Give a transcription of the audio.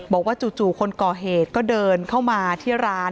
จู่คนก่อเหตุก็เดินเข้ามาที่ร้าน